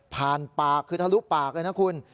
ปากคือทะลุปากเลยนะคุณ